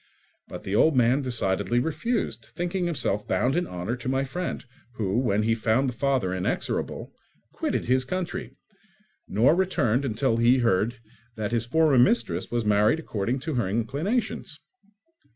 But the old man decidedly refused, thinking himself bound in honour to my friend, who, when he found the father inexorable, quitted his country, nor returned until he heard that his former mistress was married according to her inclinations.